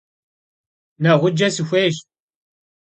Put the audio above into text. Neğuce sıxuêyş.